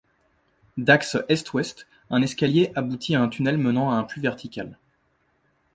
D'axe est-ouest, un escalier aboutit à un tunnel menant à un puits vertical.